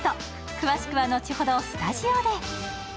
詳しくは後ほどスタジオで。